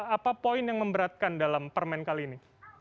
apa poin yang memberatkan dalam permen kali ini